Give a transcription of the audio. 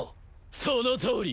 そのとおり。